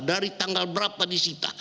dari tanggal berapa disita